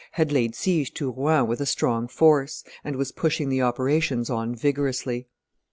had laid siege to Rouen with a strong force, and was pushing the operations on vigorously.